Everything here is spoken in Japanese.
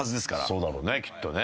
そうだろうねきっとね。